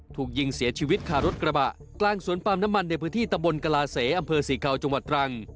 ถูกยิงเสียชีวิตคารถกระบะกลางสวนปาล์มน้ำมันในพื้นที่ตะบนกลาเสอำเภอศรีเกาจังหวัดตรัง